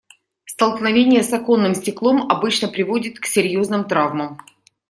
Столкновение с оконным стеклом обычно приводит к серьёзным травмам.